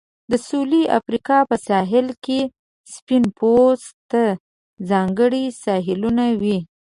د سویلي افریقا په ساحل کې سپین پوستو ته ځانګړي ساحلونه وې.